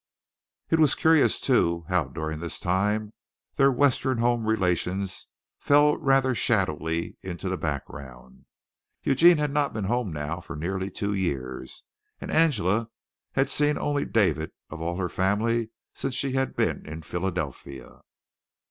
It was curious, too, how during this time their Western home relations fell rather shadowily into the background. Eugene had not been home now for nearly two years, and Angela had seen only David of all her family since she had been in Philadelphia.